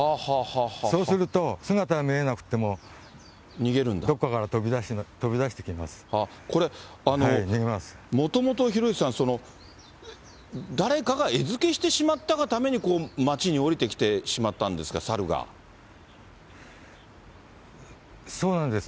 そうすると、姿は見えなくても、これ、もともと広石さん、誰かが餌付けしてしまったがために、町に下りてきてしまったんですか、そうなんです。